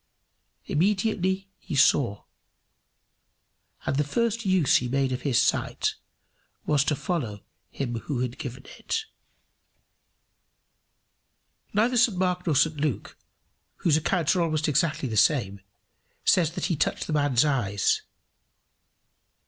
Immediately he saw; and the first use he made of his sight was to follow him who had given it. Neither St Mark nor St Luke, whose accounts are almost exactly the same, says that he touched the man's eyes.